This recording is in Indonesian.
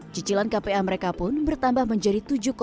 cicilan kpa mereka pun bertambah menjadi